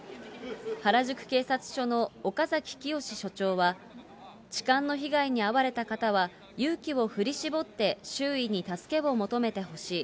原宿警察署の岡崎聖署長は、痴漢の被害に遭われた方は、勇気を振り絞って周囲に助けを求めてほしい。